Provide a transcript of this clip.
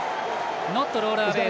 ノットロールアウェイ。